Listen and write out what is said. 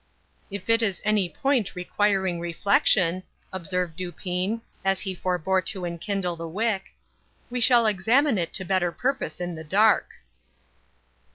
"If it is any point requiring reflection," observed Dupin, as he forebore to enkindle the wick, "we shall examine it to better purpose in the dark."